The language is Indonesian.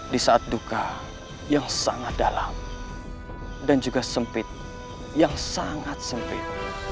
di saat duka yang sangat dalam dan juga sempit yang sangat sempit